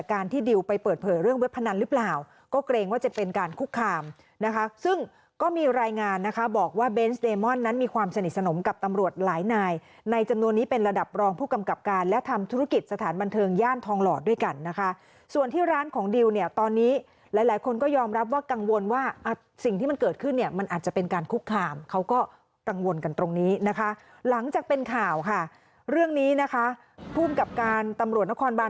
กับตำรวจหลายนายในจำนวนนี้เป็นระดับรองผู้กำกับการและทำธุรกิจสถานบันเทิงย่านทองหล่อด้วยกันนะคะส่วนที่ร้านของดิวเนี้ยตอนนี้หลายหลายคนก็ยอมรับว่ากังวลว่าอ่ะสิ่งที่มันเกิดขึ้นเนี้ยมันอาจจะเป็นการคุกคามเขาก็กังวลกันตรงนี้นะคะหลังจากเป็นข่าวค่ะเรื่องนี้นะคะผู้กับการตำรวจ